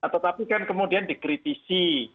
tetapi kan kemudian dikritisi